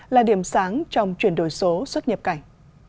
là điểm sáng trong chuyển đổi số xuất nhập cảnh